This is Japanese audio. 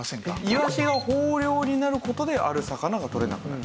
イワシが豊漁になる事である魚が取れなくなる？